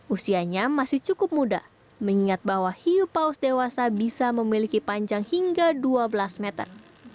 usianya masih cukup muda mengingat bahwa hiu paus dewasa bisa memiliki panjang hingga dua belas meter